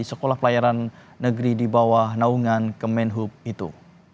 sekolah pelayaran negeri di bawah naungan kemenhub itu